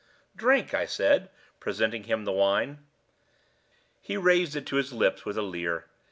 "Drink," I said, presenting him the wine. He raised it to his lips with a leer.